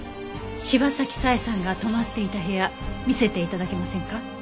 柴崎佐江さんが泊まっていた部屋見せて頂けませんか？